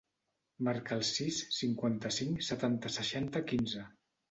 Marca el sis, cinquanta-cinc, setanta, seixanta, quinze.